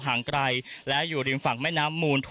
ให้ไม่ควรมาส่วนชิ้นโรงพยาบาล